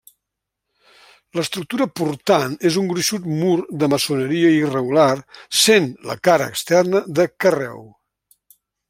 L'estructura portant és un gruixut mur de maçoneria irregular, sent la cara externa de carreu.